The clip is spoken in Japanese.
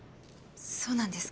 そうなんですか。